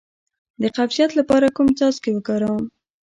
د قبضیت لپاره کوم څاڅکي وکاروم؟